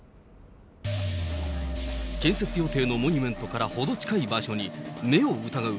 建設予定のモニュメントから程近い場所に、目を疑う